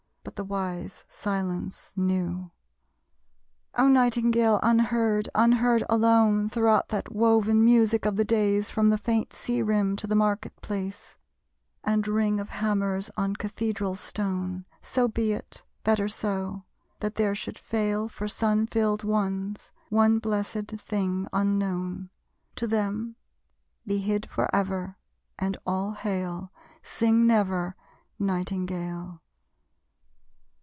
But the wise silence knew. O Nightingale unheard! Unheard alone, Throughout that woven music of the days From the faint sea rim to the market place, And ring of hammers on cathedral stone! So be it, better so: that there should fail For sun filled ones, one blessèd thing unknown. To them, be hid forever, and all hail! Sing never, Nightingale.